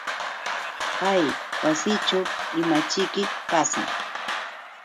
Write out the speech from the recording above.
Hay wasićhu ¿imaćhiki pasan?